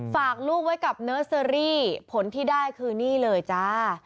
ฝากลูกไว้กับเนอร์เซอรี่ผลที่ได้คือนี่เลยจ้า